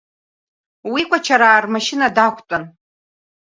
Уи Кәачараа рмашьына дақәтәан.